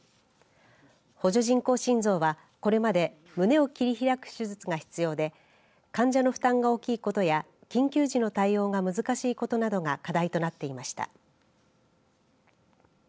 補助人工心臓はこれまで胸を切り開く手術が必要で患者の負担が大きいことや緊急時の対応が難しいことなどが課題となっていました。